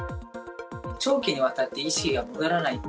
長期にわたって意識が戻らない。